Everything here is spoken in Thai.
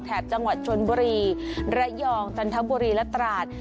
จังหวัดชนบุรีระยองจันทบุรีและตราด